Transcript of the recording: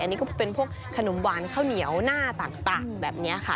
อันนี้ก็เป็นพวกขนมหวานข้าวเหนียวหน้าต่างแบบนี้ค่ะ